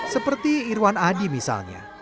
seperti irwan adi misalnya